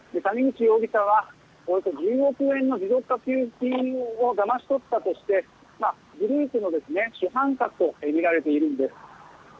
谷口容疑者はおよそ１０億円の持続化給付金をだまし取ったとしてグループの主犯格とみられているんです。